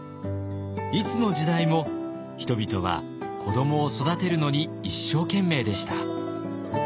いつの時代も人々は子どもを育てるのに一生懸命でした。